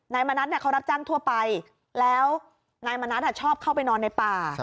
มณัฐเขารับจ้างทั่วไปแล้วนายมณัฐชอบเข้าไปนอนในป่า